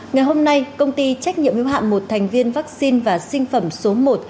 ngày hôm nay công ty trách nhiệm hưu hạm một thành viên vaccine và sinh phẩm số một